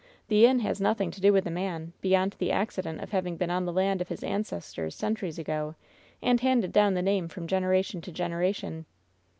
The inn has nothing to do with the man, beyond the accident of having been an the land of his ancestors centuries ago, and handed down the name from generation to generation."